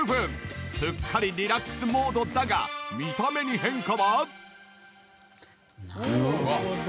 すっかりリラックスモードだが見た目に変化は？